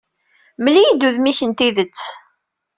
Mmel-iyi-d udem-ik n tidet.